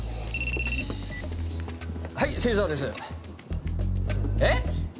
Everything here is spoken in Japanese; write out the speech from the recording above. はい芹沢です。え！？